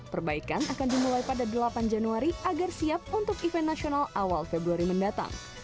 perbaikan akan dimulai pada delapan januari agar siap untuk event nasional awal februari mendatang